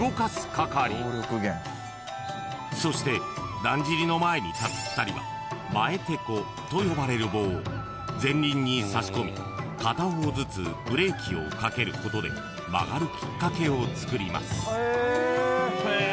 ［そしてだんじりの前に立つ２人は前梃子と呼ばれる棒を前輪に差し込み片方ずつブレーキをかけることで曲がるきっかけをつくります］